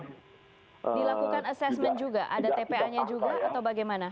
harus dilakukan assessment juga ada tpa nya juga atau bagaimana